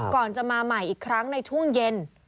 ก่อนจะมาใหม่อีกครั้งในช่วงเย็น